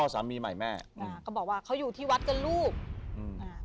สามีใหม่แม่อ่าก็บอกว่าเขาอยู่ที่วัดกันลูกอืมอ่า